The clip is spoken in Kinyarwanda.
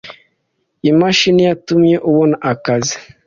Imashini yatumye ubona akazi.